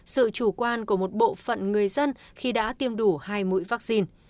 sự chủ quan của một bộ phận người dân khi đã tiêm đủ hai mũi vaccine